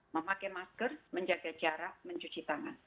memakai masker menjaga jarak mencuci tangan